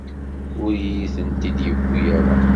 Ur iyi-tent-id yewwi ara.